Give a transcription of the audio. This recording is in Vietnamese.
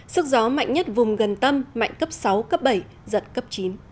sức gió mạnh nhất vùng gần tâm mạnh cấp sáu cấp bảy giật cấp chín